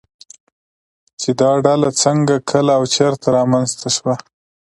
چې دا ډله څنگه، کله او چېرته رامنځته شوه